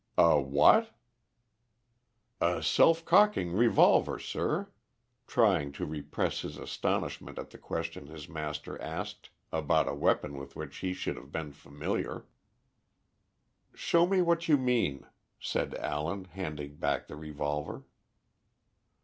"A what?" "A self cocking revolver, sir" trying to repress his astonishment at the question his master asked about a weapon with which he should have been familiar. "Show me what you mean," said Allen, handing back the revolver.